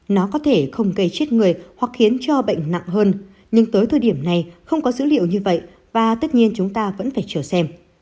nó có thể không gây chết người hoặc khiến cho bệnh nặng hơn nhưng tới thời điểm này không có dữ liệu như vậy và tất nhiên chúng ta vẫn phải chờ xem